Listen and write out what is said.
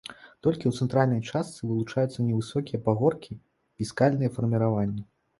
Толькі ў цэнтральнай частцы вылучаюцца невысокія пагоркі і скальныя фарміраванні.